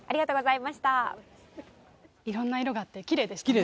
いろんな色があってきれいでしたね。